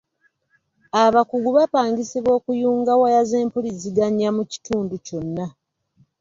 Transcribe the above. Abakugu bapangisibwa okuyunga waya z'empuliziganya mu kitundu kyonna.